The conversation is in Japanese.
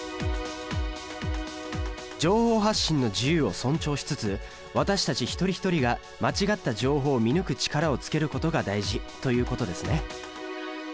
情報発信の自由を尊重しつつ私たち一人ひとりが間違った情報を見抜く力をつけることが大事ということですね。